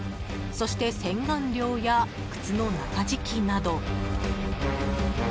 そして、洗顔料や靴の中敷きなど。